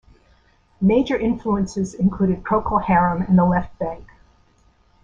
Major influences included Procol Harum and The Left Banke.